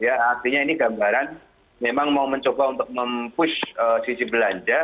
artinya ini gambaran memang mau mencoba untuk mempush sisi belanja